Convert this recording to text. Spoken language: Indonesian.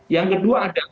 yang kedua ada